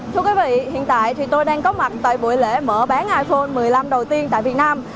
thưa quý vị hiện tại thì tôi đang có mặt tại buổi lễ mở bán iphone một mươi năm đầu tiên tại việt nam